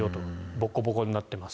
ボコボコになってます。